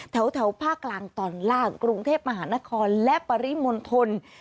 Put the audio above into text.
แถวภาคกลางตอนล่างกรุงเทพมหานครและปริมณฑล